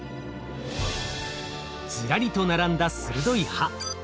ずらりと並んだ鋭い歯。